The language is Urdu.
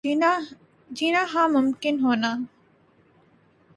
جینا ہاں ممکن ہونا